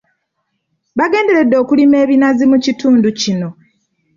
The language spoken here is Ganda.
Bagenderedde okulima ebinazi mu kitundu kino.